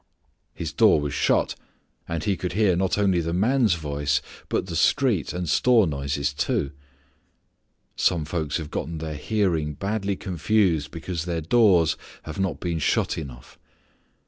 His door was shut and he could hear not only the man's voice but the street and store noises too. Some folks have gotten their hearing badly confused because their doors have not been shut enough.